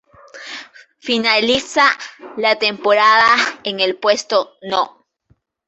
Finaliza la temporada en el puesto No.